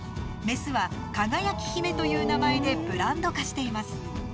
メスは「輝姫」という名前でブランド化しています。